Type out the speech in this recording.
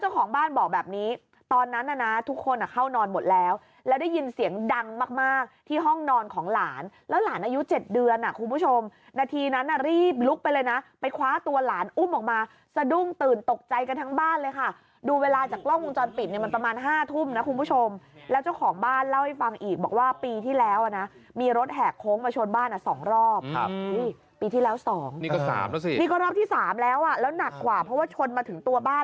เตรียมเตรียมเตรียมเตรียมเตรียมเตรียมเตรียมเตรียมเตรียมเตรียมเตรียมเตรียมเตรียมเตรียมเตรียมเตรียมเตรียมเตรียมเตรียมเตรียมเตรียมเตรียมเตรียมเตรียมเตรียมเตรียมเตรียมเตรียมเตรียมเตรียมเตรียมเตรียมเตรียมเตรียมเตรียมเตรียมเตรีย